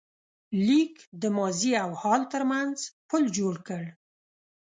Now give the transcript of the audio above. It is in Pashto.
لیک د ماضي او حال تر منځ پُل جوړ کړ.